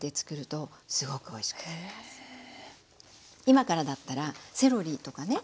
今からだったらセロリとかね。